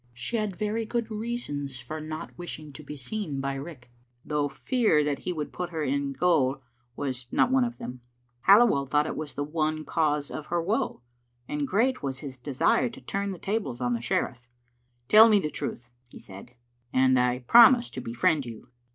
She had very good reasons for not wishing to be seen by Riach, though fear that he would put her in gaol was not one of them. Halliwell thought it was the one cause of her woe, and great was his desire to turn the tables on the sherifiE. "Tell me the truth," he said, "and I promise to be friend you."